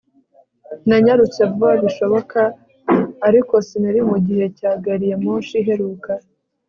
nanyarutse vuba bishoboka, ariko sinari mugihe cya gari ya moshi iheruka